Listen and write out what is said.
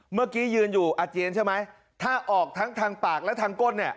เมื่อกี้ยืนอยู่อาเจียนใช่ไหมถ้าออกทั้งทางปากและทางก้นเนี่ย